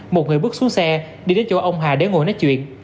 một người bước xuống xe đi đến chỗ ông hà để ngồi nói chuyện